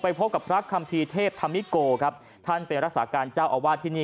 ไปพบกับพระคำถีเทพธรรมิโกครับท่านเป็นรัศกาลเจ้าอวาทที่นี่